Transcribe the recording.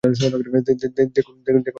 দেখুন, উনার পরিবারের ছবি।